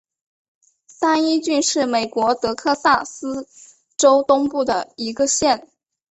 三一郡是美国德克萨斯州东部的一个县。